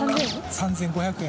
３，５００円。